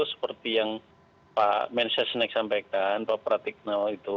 seperti yang pak mensesnek sampaikan pak pratik nau itu